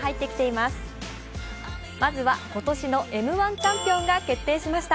まずは今年の「Ｍ−１」チャンピオンが決定しました。